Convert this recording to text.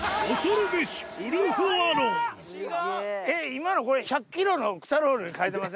今のこれ。